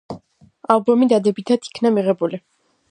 ალბომი დადებითად იქნა მიღებული.